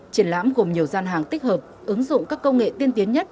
triển lãm gồm nhiều gian hàng tích hợp ứng dụng các công nghệ tiên tiến nhất